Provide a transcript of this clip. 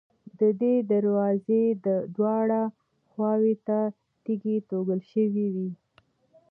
د دې دروازې دواړو خواوو ته تیږې توږل شوې وې.